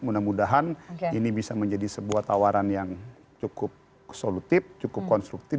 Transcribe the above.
mudah mudahan ini bisa menjadi sebuah tawaran yang cukup solutif cukup konstruktif